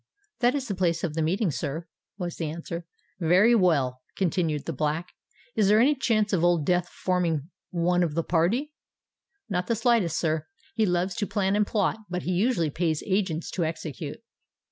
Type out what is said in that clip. "That is the place of meeting, sir," was the answer. "Very well," continued the Black. "Is there any chance of Old Death forming one of the party?" "Not the slightest, sir. He loves to plan and plot; but he usually pays agents to execute."